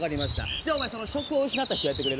じゃあお前その職を失った人やって。